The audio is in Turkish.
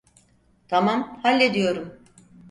Tamam, hallediyorum.